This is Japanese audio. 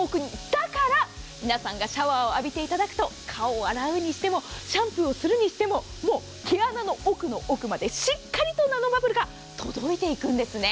だから皆さんがシャワーを浴びていただくと顔を洗うにしてもシャンプーをするにしても毛穴の奥の奥までしっかりとナノバブルが届いていくんですね。